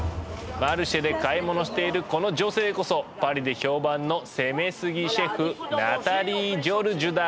マルシェで買い物しているこの女性こそパリで評判の攻めすぎシェフナタリー・ジョルジュだ。